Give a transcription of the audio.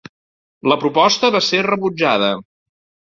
La proposta va ser rebutjada.